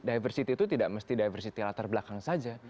diversity itu tidak mesti diversity latar belakang saja